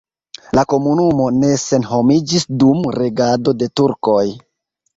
La komunumo ne senhomiĝis dum regado de turkoj.